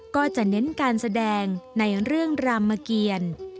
ก็จะเน้นการแสดงในเรื่องรามเกียร